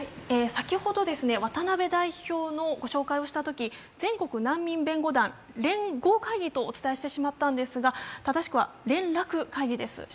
先ほど渡邉代表のご紹介をしたとき全国難民弁護団連合会議とお伝えしてしまったんですが正しくは連絡会議です。